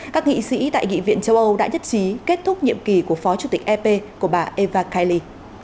các nghị sĩ tại nghị viện châu âu đã nhất trí kết thúc nhiệm kỳ của phó chủ tịch ep của bà eva kaili